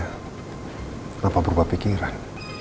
kenapa berubah pikiran